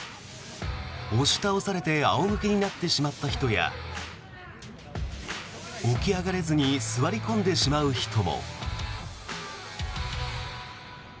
押し倒されて仰向けになってしまった人や起き上がれずに座り込んでしまう人も。